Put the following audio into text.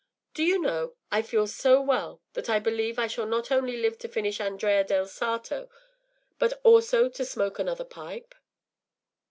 Do you know, I feel so well that I believe I shall not only live to finish Andrea del Sarto, but also to smoke another pipe?